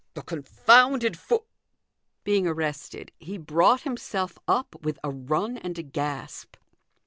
" The confounded foo !" Being arrested, he brought himself up with a run and a gasp.